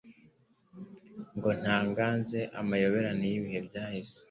ngo ntangaze amayoberane y’ibihe byahise